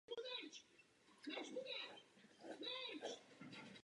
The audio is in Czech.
Saab nyní také doporučuje používat doporučené směsi oleje jako preventivní opatření.